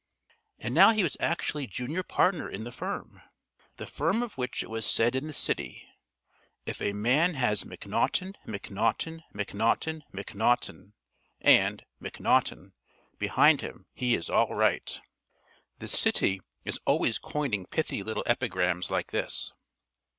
And now he was actually junior partner in the firm the firm of which it was said in the City, "If a man has Macnaughton, Macnaughton, Macnaughton, Macnaughton & Macnaughton behind him he is all right." The City is always coining pithy little epigrams like this.